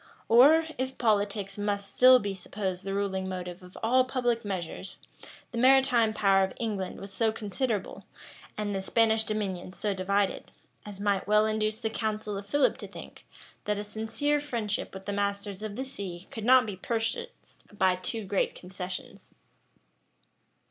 Or, if politics must still be supposed the ruling motive of all public measures, the maritime power of England was so considerable, and the Spanish dominions so divided, as might well induce the council of Philip to think, that a sincere friendship with the masters of the sea could not be purchased by too great concessions.